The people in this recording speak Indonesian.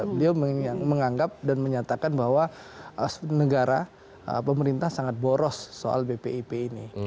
beliau yang menganggap dan menyatakan bahwa negara pemerintah sangat boros soal bpip ini